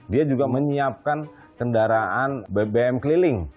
dia juga menyiapkan kendaraan bbm keliling